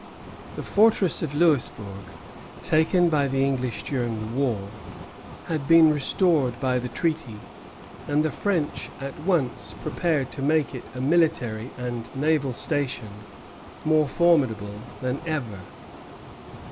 The fortress of Louisbourg, taken by the English during the war, had been restored by the treaty; and the French at once prepared to make it a military and naval station more formidable than ever.